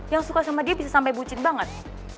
yang suka sama dia bisa sampai bucin banget